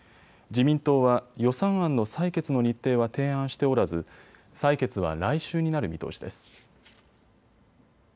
自民党は予算案の採決の日程は提案しておらず採決は来週になる見通しです。